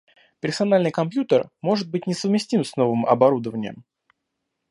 Персональный компьютер может быть несовместим с новым оборудованием